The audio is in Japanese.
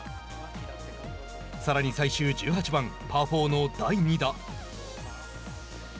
さらに最終１８番パー４の第２打。